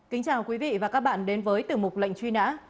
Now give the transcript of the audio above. kính chào quý vị và các bạn đến với tiểu mục lệnh truy nã